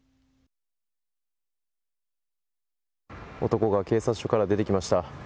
男が警察署から出てきました。